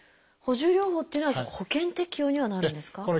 補充療法っていうのは保険適用にはなるんですか？